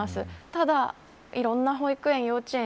ただいろんな保育園、幼稚園